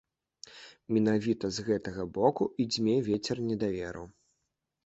Менавіта з гэтага боку і дзьме вецер недаверу.